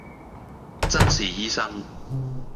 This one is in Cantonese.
眞是醫生，